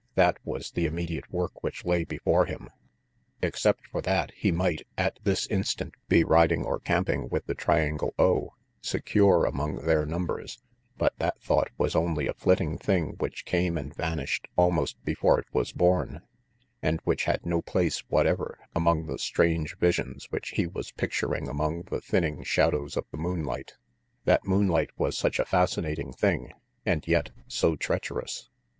That was the immediate work which lay before him. Except for that, he might, at this instant, be riding or camping with the Triangle O, secure among their numbers; but that thought was only a flitting thing which came and vanished almost before it was born, and which had no place whatever among the strange visions which he was picturing among the thinning shadows of the moonlight. That moonlight was such a fascinating thing, and yet so treacherous.